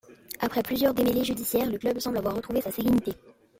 Après plusieurs démêlés judiciaires, le club semble avoir retrouvé sa sérénité.